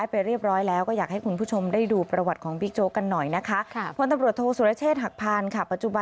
เพียบร้อยแล้วก็อยากให้คุณผู้ชมได้ดูประวัติของบิ๊กโจ๊กันหน่อยนะคะครับผลตำรวจโด